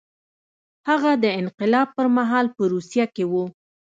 هغه د انقلاب پر مهال په روسیه کې و